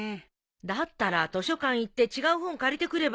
だったら図書館行って違う本借りてくればいいでしょ？